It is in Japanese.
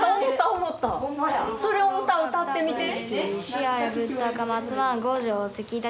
それを歌歌ってみて。